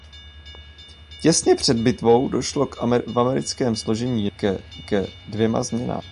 Těsně před bitvou došlo v americkém složení jednotek ke dvěma změnám.